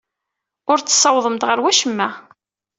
Ur tessawaḍemt ɣer wacemma.